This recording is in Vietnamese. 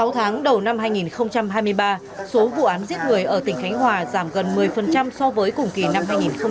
sáu tháng đầu năm hai nghìn hai mươi ba số vụ án giết người ở tỉnh khánh hòa giảm gần một mươi so với cùng kỳ năm hai nghìn hai mươi hai